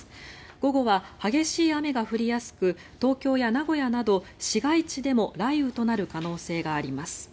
午後は激しい雨が降りやすく東京や名古屋など市街地でも雷雨となる可能性があります。